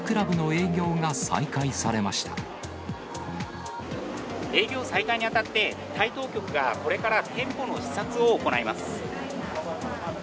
営業再開にあたって、タイ当局がこれから店舗の視察を行います。